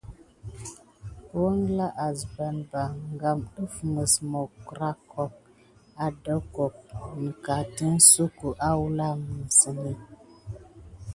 Engla awɓəɗɗ bə kan def mis mograko adefho nigakite suko awula nis.